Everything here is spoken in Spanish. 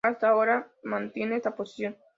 Hasta ahora, mantiene esta posición.